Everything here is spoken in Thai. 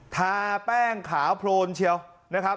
ทาแป้งขาวโพลนเชียวนะครับ